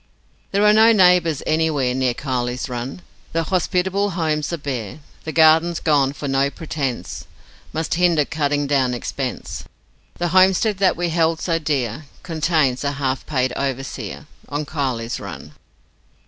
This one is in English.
There are no neighbours anywhere Near Kiley's Run. The hospitable homes are bare, The gardens gone; for no pretence Must hinder cutting down expense: The homestead that we held so dear Contains a half paid overseer On Kiley's Run.